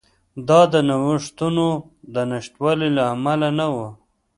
دا د نوښتونو د نشتوالي له امله نه وه.